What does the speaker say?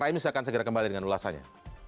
raimis akan segera kembali dengan ulasannya